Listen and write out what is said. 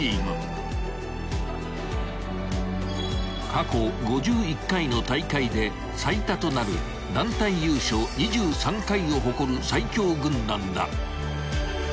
［過去５１回の大会で最多となる団体優勝２３回を誇る最強軍団だ］